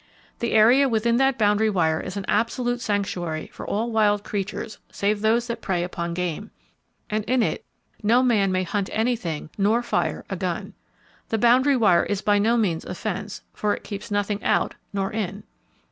The area within that boundary wire is an absolute sanctuary for all wild creatures save those that prey upon game, and in it no man may hunt anything, nor fire a gun. The boundary wire is by no means a fence, for it keeps nothing out nor in.